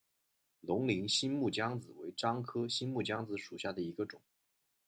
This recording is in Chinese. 龙陵新木姜子为樟科新木姜子属下的一个种。